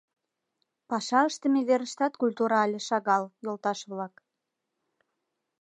— Паша ыштыме верыштат культура але шагал, йолташ-влак!